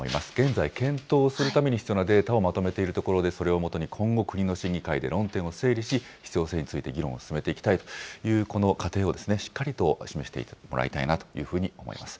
現在、検討するために必要なデータをまとめているところで、それを基に今後、国の審議会で論点を整理し、必要性について議論を進めたいという、この過程をしっかりと示していってもらいたいなというふうに思います。